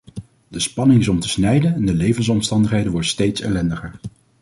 De spanning is om te snijden en de levensomstandigheden worden steeds ellendiger.